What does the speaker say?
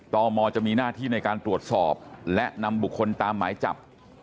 ตมจะมีหน้าที่ในการตรวจสอบและนำบุคคลตามหมายจับ